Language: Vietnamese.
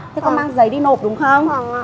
thế con mang giấy đi nộp đúng không